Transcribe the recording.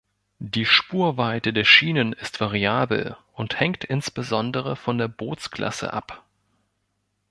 Die Spurweite der Schienen ist variabel und hängt insbesondere von der Bootsklasse ab.